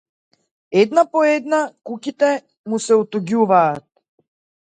Една по една куќите му се отуѓуваат.